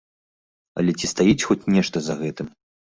Але ці стаіць хоць нешта за гэтым?